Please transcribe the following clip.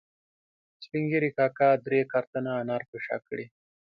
سپین ږیري کاکا درې کارتنه انار په شا کړي